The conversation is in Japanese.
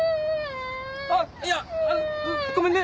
あっいやごめんね。